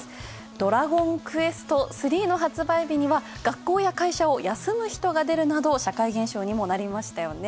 「ドラゴンクエスト３」の発売日には、学校や会社を休む人がいたなど社会現象にもなりましたよね。